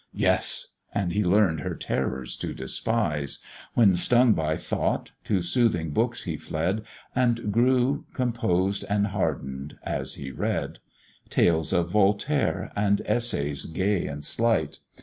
Yes! and he learn'd her terrors to despise; When stung by thought, to soothing books he fled, And grew composed and harden'd as he read; Tales of Voltaire, and essays gay and slight.